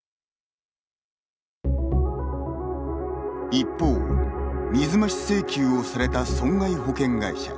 一方、水増し請求をされた損害保険会社。